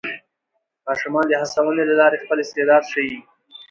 ماشومان د هڅونې له لارې خپل استعداد ښيي